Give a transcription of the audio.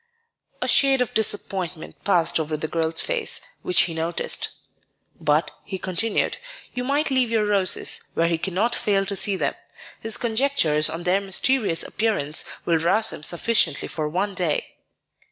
A shade of disappointment passed over the girl's face, which he noticed. "But," he continued, "you might leave your roses where he cannot fail to see them. His conjectures on their mysterious appearance will rouse him sufficiently for one day."